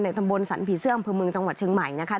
ในทะมบลสันผีเสื่อมพื้นเมืองจังหวัดเชิงใหม่นะคะ